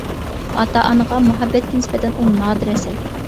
ئاتا-ئانىغا، مۇھەببەتكە نىسبەتەن ئۇ نادىر ئەسەر.